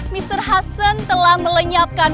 mister hasan telah melenyapkan